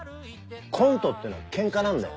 コントってのはケンカなんだよ。